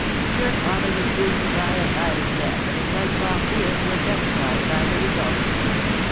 Your father was doomed to die a violent death, and his lifelong fears were justified by the result."